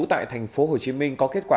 tại thành phố hồ chí minh có kết quả